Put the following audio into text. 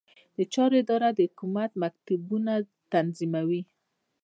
د چارو اداره د حکومت مکتوبونه تنظیموي